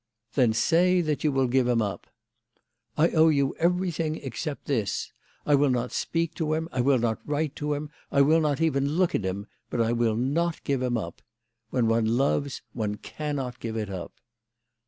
" Then say that you will give him up." "I owe you everything, except this. I will not speak to him, I will not write to him, I will not even look at him, but I will not give him up. When one loves, one cannot give it up."